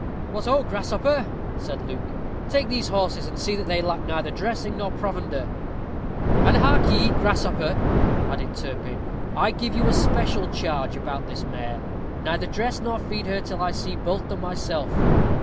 "What ho! Grasshopper," said Luke, "take these horses, and see that they lack neither dressing nor provender." "And hark ye, Grasshopper," added Turpin; "I give you a special charge about this mare. Neither dress nor feed her till I see both done myself.